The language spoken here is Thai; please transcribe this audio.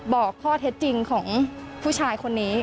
บอกข้อเท็จจริงของผู้ชายคนนี้